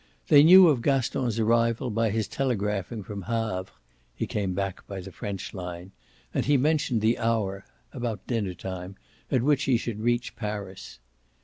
They knew of Gaston's arrival by his telegraphing from Havre (he came back by the French line) and he mentioned the hour "about dinner time" at which he should reach Paris.